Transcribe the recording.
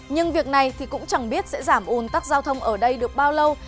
nhưng việc này thì cũng chẳng biết sẽ giảm ồn tắc giao thông ở đây được bao lâu